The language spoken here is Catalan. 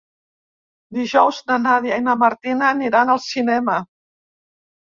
Dijous na Nàdia i na Martina aniran al cinema.